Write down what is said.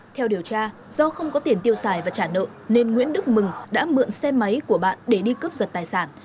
theo điều tra do không có tiền tiêu xài và trả nợ nên nguyễn đức mừng đã mượn xe máy của bạn để đi cướp giật tài sản